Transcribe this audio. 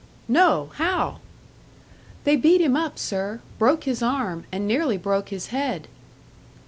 "No. How?" "They beat him up, sir. Broke his arm, and nearly broke his head."